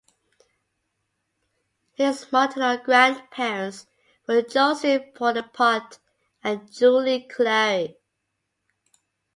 His maternal grandparents were Joseph Bonaparte and Julie Clary.